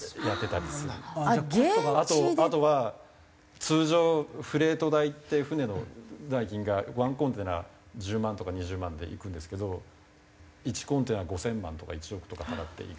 あとは通常フレート代って船の代金が１コンテナ１０万とか２０万で行くんですけど１コンテナ５０００万とか１億とか払って行く。